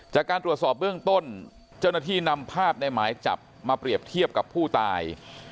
จากการตรวจสอบเบื้องต้นเจ้าหน้าที่นำภาพในหมายจับมาเปรียบเทียบกับผู้ตาย